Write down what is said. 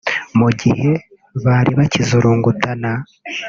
Mu gihe bari bakizurungutana